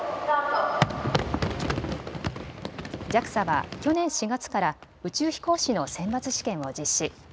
ＪＡＸＡは去年４月から宇宙飛行士の選抜試験を実施。